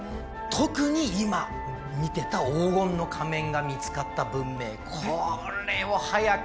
特に今見てた黄金の仮面が見つかった文明